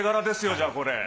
じゃあこれ。